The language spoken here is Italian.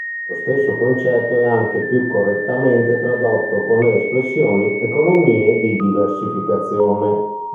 Lo stesso concetto è anche più correttamente tradotto con le espressioni "economie di diversificazione".